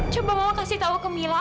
coba mama kasih tau ke mila